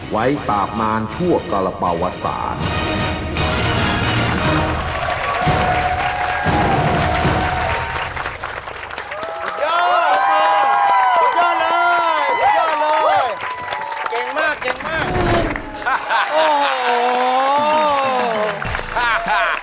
ไว้ตาบมานชั่วกระปวัติศาสตร์